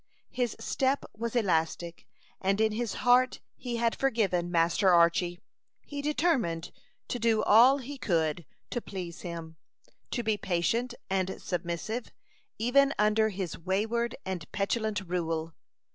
His step was elastic, and in his heart he had forgiven Master Archy. He determined to do all he could to please him; to be patient and submissive even under his wayward and petulant rule.